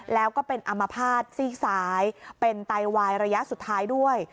แล้วก็เป็นอมภาษณ์ซีกซ้ายเป็นไตวายระยะสุดท้ายด้วย